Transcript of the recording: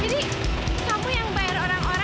diri kamu yang bayar orang orang untuk model bis